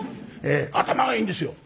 頭はいいんですよ！